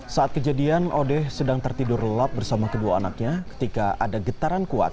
saat kejadian odeh sedang tertidur lelap bersama kedua anaknya ketika ada getaran kuat